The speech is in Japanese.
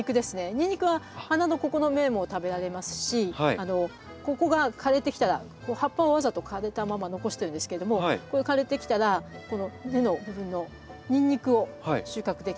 ニンニクは花のここの芽も食べられますしここが枯れてきたら葉っぱをわざと枯れたまま残してるんですけれどもこれ枯れてきたらこの根の部分のニンニクを収穫できます。